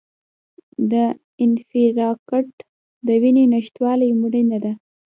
د انفارکټ د وینې نشتوالي مړینه ده.